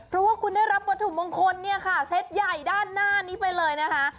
เพราะว่าคุณได้รับวัตถุมงคลเนี่ยค่ะเซตใหญ่ด้านหน้านี้ไปเลยนะคะ